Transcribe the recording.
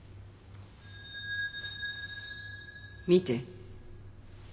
見て。